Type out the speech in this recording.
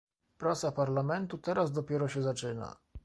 Praca Parlamentu teraz dopiero się zaczyna